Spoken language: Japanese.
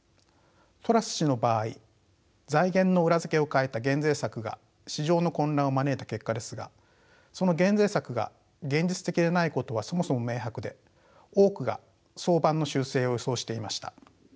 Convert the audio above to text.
トラス氏の場合財源の裏付けを欠いた減税策が市場の混乱を招いた結果ですがその減税策が現実的でないことはそもそも明白で多くが早晩の修正を予想していました。